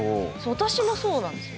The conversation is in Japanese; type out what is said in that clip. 私もそうなんですよ。